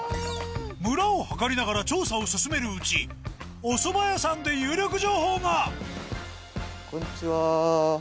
村を測りながら調査を進めるうちおそば屋さんで有力情報がこんにちは。